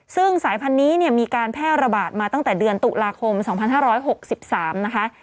ซึ่งสายพันธุ์นี้เนี่ยมีการแพร่ระบาดมาตั้งแต่เดือนตุลาคม๒๕๖๓นะคะ